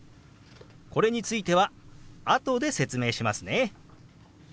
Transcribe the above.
これについてはあとで説明しますね。